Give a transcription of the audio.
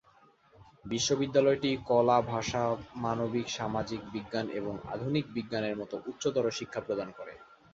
বিশ্ববিদ্যালয়টি কলা, ভাষা, মানবিক, সামাজিক বিজ্ঞান এবং আধুনিক বিজ্ঞান এর মত উচ্চতর শিক্ষা প্রদান করে।